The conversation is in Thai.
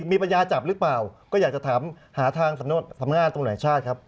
มีปัญญาจับหรือเปล่าก็อยากจะถามหาทางสำนักงานตรงไหนชาติครับ